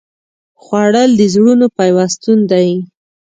خوړل د زړونو پیوستون دی